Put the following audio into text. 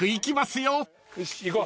よし行こう。